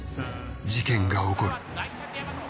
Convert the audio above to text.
事件が起こる。